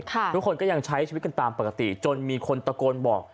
ทุกคนก็ยังใช้ชีวิตกันตามปกติจนมีคนตะโกนบอก